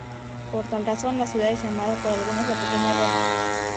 Por tal razón, la ciudad es llamada por algunos la "Pequeña Roma".